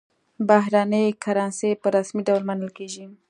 بهرنۍ کرنسي په رسمي ډول منل کېږي.